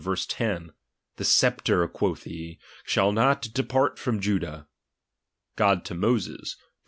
10) : The sceptre, quoth he, s/iall not depart J'rom Judah. God to Moses (Deut.